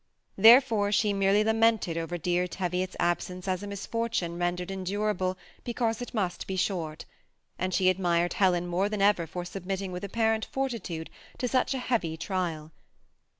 Therefore she merely lamented over dear^Teviot's absence as a misfortune rendered endurable because it must be short ; and she admired Helen more than eyer for submitting with ap parent fortitude to such a heavy trial.